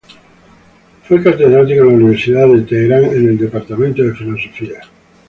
Fue catedrático en la Universidad de Teherán, en el departamento de filosofía.